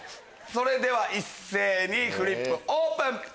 それでは一斉にフリップオープン！